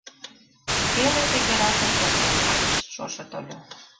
Теле тыгеракын эртен кайыш, шошо тольо.